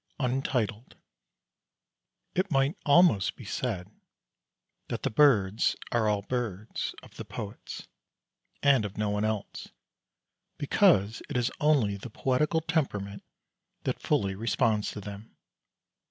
It might almost be said that the birds are all birds of the poets and of no one else, because it is only the poetical temperament that fully responds to them.